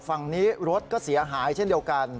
ฝั่งนี้รถก็เสียหายเช่นเดียวกัน